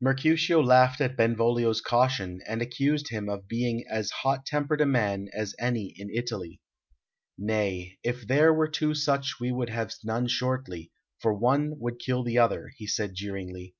Mercutio laughed at Benvolio's caution, and accused him of being as hot tempered a man as any in Italy. "Nay, if there were two such we should have none shortly, for one would kill the other," he said jeeringly.